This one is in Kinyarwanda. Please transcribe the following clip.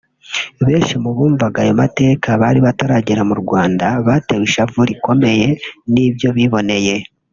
Abenshi mu bumvaga ayo mateka bari bataragera mu Rwanda batewe ishavu rikomeye n’ibyo biboneye